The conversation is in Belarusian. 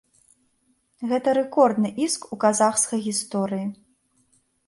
Гэта рэкордны іск у казахскай гісторыі.